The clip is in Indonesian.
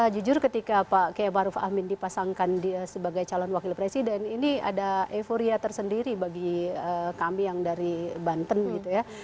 jujur ketika pak k maruf amin dipasangkan dia sebagai calon wakil presiden ini ada euforia tersendiri bagi kami yang dari banten gitu ya